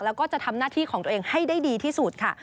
แล้วก็จะทำหน้าที่ของตัวเองให้ได้ดีที่สุดค่ะ